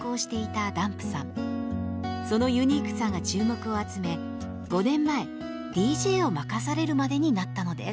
そのユニークさが注目を集め５年前ＤＪを任されるまでになったのです。